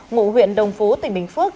ngụ huyện đồng phú tỉnh bình phước